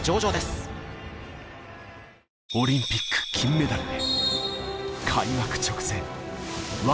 オリンピック金メダルへ。